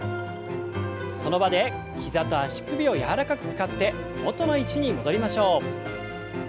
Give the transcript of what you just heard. その場で膝と足首を柔らかく使って元の位置に戻りましょう。